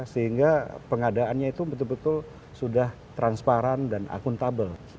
sehingga pengadaannya itu betul betul sudah transparan dan akuntabel